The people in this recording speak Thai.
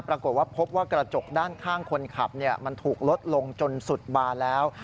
ปรากฏว่าพบว่ากระจกด้านข้างคนขับมันถูกลดลงจนสุดบานแล้ว